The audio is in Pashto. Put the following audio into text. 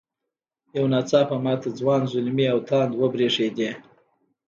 یو نا څاپه ماته ځوان زلمي او تاند وبرېښدې.